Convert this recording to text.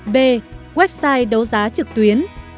b website đấu giá trực tuyến